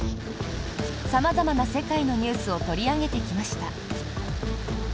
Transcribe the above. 様々な世界のニュースを取り上げてきました。